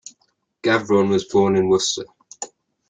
Gavron was born in Worcester.